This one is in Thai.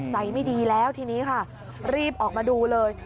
ใจไม่ดีแล้วทีนี้ค่ะรีบออกมาดูเลย